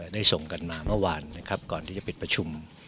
ได้ส่งกันมาเมื่อวานนะครับก่อนที่จะปิดประชุม